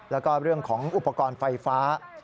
แล้วก็เรื่องของอุปกรณ์ไฟฟ้า